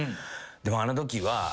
でもあのときは。